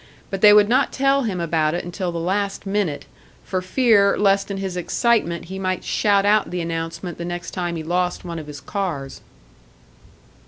But they would not tell him about it until the last minute, for fear lest in his excitement he might shout out the announcement the next time he lost one of his cars.